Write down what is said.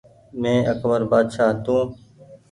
مينٚ اڪبر بآڇآ تونٚ